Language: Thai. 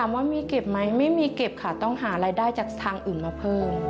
ว่ามีเก็บไหมไม่มีเก็บค่ะต้องหารายได้จากทางอื่นมาเพิ่ม